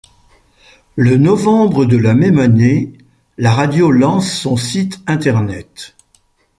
Le novembre de la même année la radio lance son site internet.